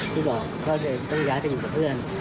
ที่บอกต้องย้ายไปนี่กับเพื่อน